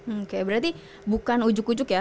oke berarti bukan ujuk ujuknya